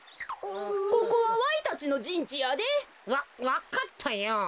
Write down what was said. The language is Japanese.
ここはわいたちのじんちやで。わわかったよ。